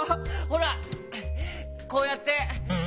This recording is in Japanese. ほらこうやって！